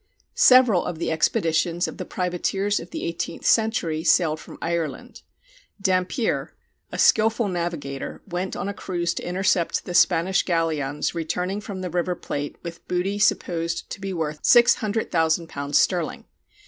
Several of the expeditions of the privateers of the eighteenth century sailed from Ireland. Dampier, a skilful navigator, went on a cruise to intercept the Spanish galleons returning from the River Plate with booty supposed to be worth £600,000 sterling.